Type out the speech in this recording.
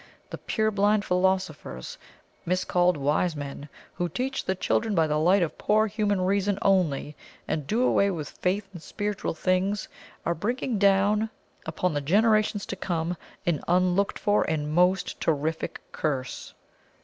The purblind philosophers, miscalled wise men, who teach the children by the light of poor human reason only, and do away with faith in spiritual things, are bringing down upon the generations to come an unlooked for and most terrific curse.